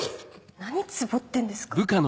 何ツボってんですか。